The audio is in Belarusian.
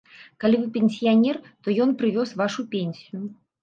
Калі вы пенсіянер, то ён прывёз вашу пенсію.